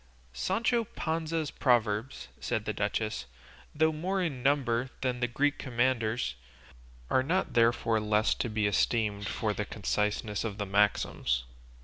"Sancho Panza's proverbs," said the duchess, "though more in number than the Greek Commander's, are not therefore less to be esteemed for the conciseness of the maxims.